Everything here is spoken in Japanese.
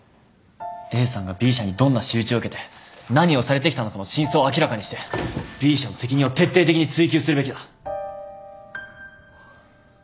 ＡさんがＢ社にどんな仕打ちを受けて何をされてきたのかの真相を明らかにしてＢ社の責任を徹底的に追及するべきだ。